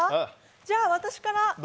じゃあ私から。